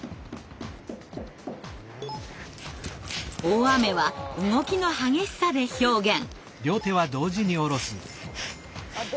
大雨は動きの激しさで表現。